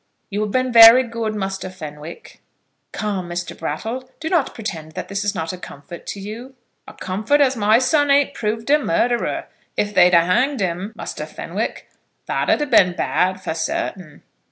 "You have been very good, Muster Fenwick." "Come, Mr. Brattle, do not pretend that this is not a comfort to you." "A comfort as my son ain't proved a murderer! If they'd a hanged 'im, Muster Fenwick, that'd a been bad, for certain.